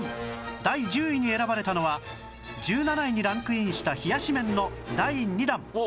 第１０位に選ばれたのは１７位にランクインした冷やし麺の第２弾